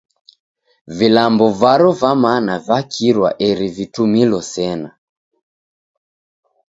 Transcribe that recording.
Vilambo varo va mana vakirwa eri vitumilo sena.